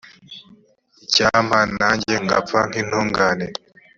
icyampa nanjye ngapfa nk’intungane.